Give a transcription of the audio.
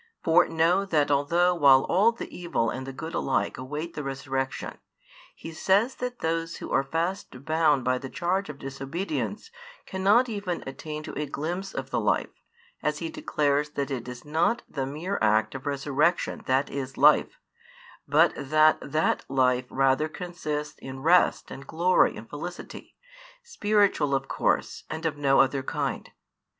For know that although while all the evil and the good alike await the resurrection, He says that those who are fast bound by the charge of disobedience cannot even attain to a glimpse of the life, as He declares that it is not the mere act of resurrection that is life, but that that life rather consists in rest and glory and felicity, spiritual of course and of no other kind.